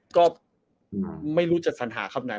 ก็ไม่รู้จัดสัญหาครับนะครับ